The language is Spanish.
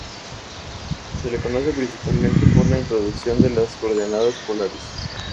Se le conoce principalmente por la introducción de las coordenadas polares.